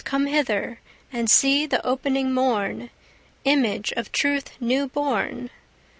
come hither And see the opening morn, Image of Truth new born.